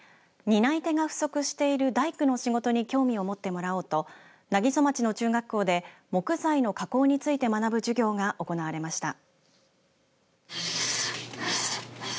担い手が不足している大工の仕事に興味を持ってもらおうと南木曽町の中学校で木材の加工について学ぶ授業が行われました。